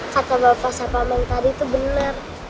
kata bapak saya paman tadi tuh bener